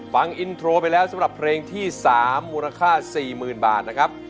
ฟังอินโทรไปแล้วสำหรับเพลงที่๓มูลค่า๔๐๐๐บาทนะครับ